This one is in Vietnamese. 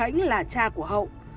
bà huệ nhìn thấy chàng trai của hậu